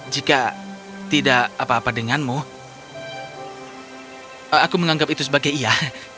jika tidak apa apa denganmu aku menganggap itu sebagai iya